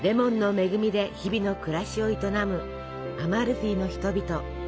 恵みで日々の暮らしを営むアマルフィの人々。